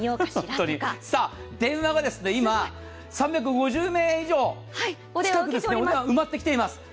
電話が今、３５０名以上、埋まってきています。